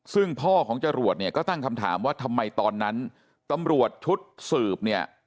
ซึ่งพ่อของจรวดก็ตั้งคำถามว่าทำไมตอนนั้นกำรวจชุดสืบ